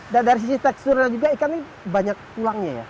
dan dari sisi teksturnya juga ikan ini banyak tulangnya ya